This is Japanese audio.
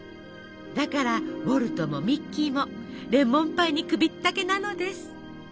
だからウォルトもミッキーもレモンパイに首ったけなのです。